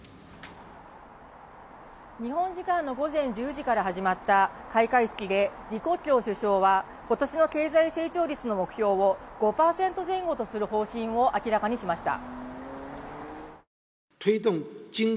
日本時間の午前１０時から始まった開会式で李克強首相は今年の経済成長率の目標を５％前後とする方針を明らかにしました。